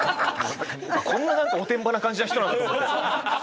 こんな何かおてんばな感じの人なんだと思って。